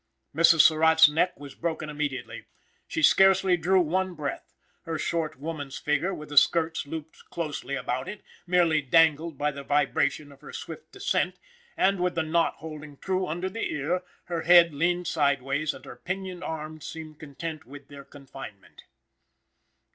Mrs. Surratt's neck was broken immediately; she scarcely drew one breath. Her short woman's figure, with the skirts looped closely about it, merely dangled by the vibration of her swift descent, and with the knot holding true under the ear, her head leaned sideways, and her pinioned arms seemed content with their confinement.